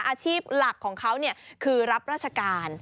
อาชีพหลักของเขาคือรับราชการ